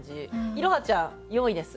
イロハちゃん４位です。